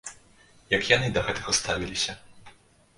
Як яны да гэтага ставіліся?